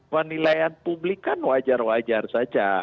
penilaian publik kan wajar wajar saja